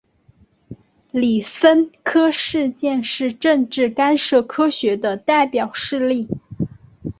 李森科事件是政治干涉科学的代表事例。